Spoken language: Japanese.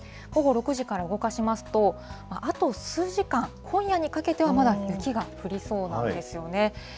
午後６時から動かしますと、あと数時間、今夜にかけてはまだ雪が降りそうなんですよね。